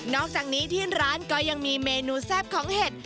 อกจากนี้ที่ร้านก็ยังมีเมนูแซ่บของเห็ด